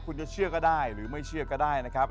คุณจะเชื่อก็ได้หรือไม่เชื่อก็ได้นะครับ